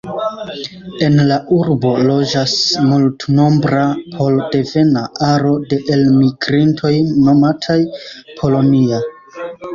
En la urbo loĝas multnombra pol-devena aro de elmigrintoj nomataj: „Polonia”.